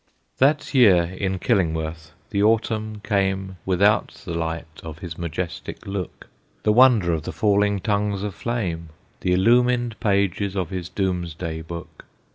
That year in Killingworth the Autumn came Without the light of his majestic look, The wonder of the falling tongues of flame, The illumined pages of his Doom's Day book.